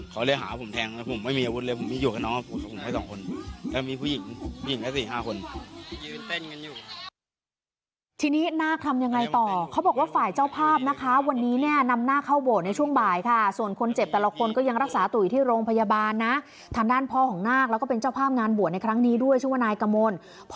เขาเลยหาผมแทงผมไม่มีอาวุธเลยผมไม่อยู่กับน้องผมไม่สองคน